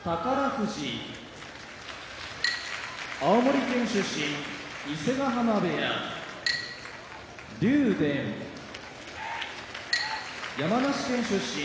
富士青森県出身伊勢ヶ濱部屋竜電山梨県出身